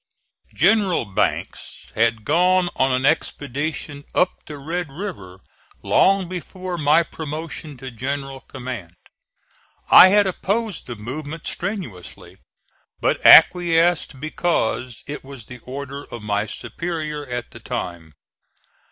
General Banks had gone on an expedition up the Red River long before my promotion to general command. I had opposed the movement strenuously, but acquiesced because it was the order of my superior at the time.